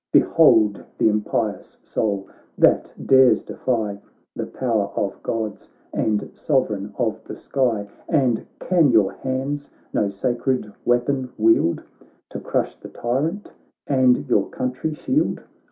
Behold the impious soul, that dares defy The power of Gods and Sovereign of the sky ! And can your hands no sacred weapon wield To crush the tyrant, and your country shield?